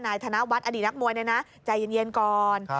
นายธนาวัฒน์อดีตนักมวยนะนะใจเย็นก่อน